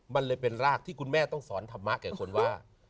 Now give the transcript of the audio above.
มันเลยเป็นรากที่คุณแม่ต้องสอนธรรมะแก่คนว่า